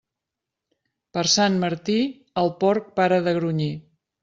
Per Sant Martí, el porc para de grunyir.